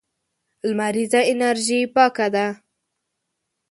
لمريزه انرژي پاکه ده.